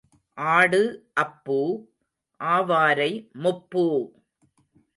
ஆடு அப்பூ, ஆவாரை முப்பூ.